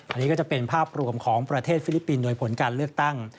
อันนี้ก็จะเป็นภาพรวมของประเทศฟิลิปปินส์โดยผลการเลือกตั้ง